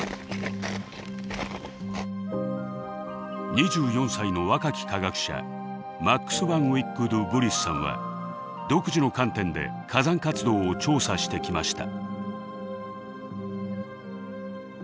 ２４歳の若き科学者マックス・ヴァン・ウィック・ドゥ・ヴリスさんは独自の観点で火山活動を調査してきました。